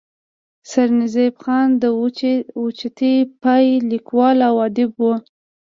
سرنزېب خان د اوچتې پائې ليکوال او اديب وو